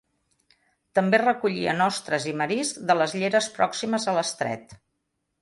També recollien ostres i marisc de les lleres pròximes a l'estret.